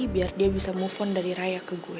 biar dia bisa move on dari raya ke gue